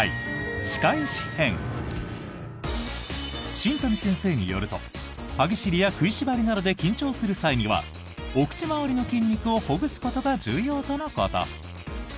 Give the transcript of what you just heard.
新谷先生によると歯ぎしりや食いしばりなどで緊張する際にはお口周りの筋肉をほぐすことが重要とのこと。